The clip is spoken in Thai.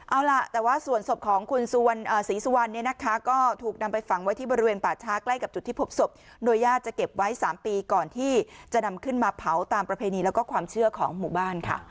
เอาล่ะแต่ว่าส่วนศพของคุณศรีสุวรรณเนี่ยนะคะก็ถูกนำไปฝังไว้ที่บริเวณป่าช้าใกล้กับจุดที่พบศพโดยญาติจะเก็บไว้๓ปีก่อนที่จะนำขึ้นมาเผาตามประเพณีแล้วก็ความเชื่อของหมู่บ้านค่ะ